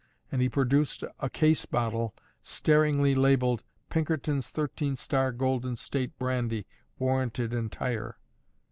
And he produced a case bottle, staringly labelled PINKERTON'S THIRTEEN STAR GOLDEN STATE BRANDY, WARRANTED ENTIRE.